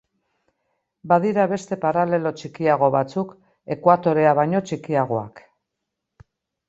Badira beste paralelo txikiago batzuk, Ekuatorea baino txikiagoak.